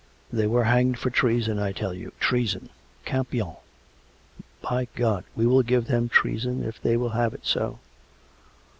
" They were hanged for treason, I tell you. ... Treason !... Campion! ... By God! we will give them treason if they will have it so